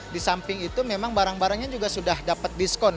di samping itu memang barang barangnya juga sudah dapat diskon